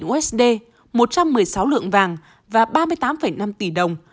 ba trăm linh usd một trăm một mươi sáu lượng vàng và ba mươi tám năm tỷ đồng